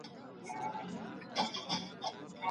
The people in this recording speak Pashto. زما ژوند د نورو د اړتياوو دپاره نه دی .